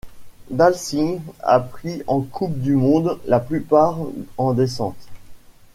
Dalcin a pris en Coupe du monde, la plupart en descente.